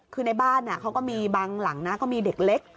คือในบ้านเขาก็มีบางหลังนะก็มีเด็กเล็ก